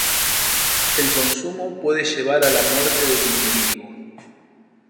El consumo puede llevar a la muerte del individuo.